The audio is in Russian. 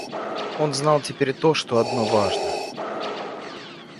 Он знал теперь то, что одно важно.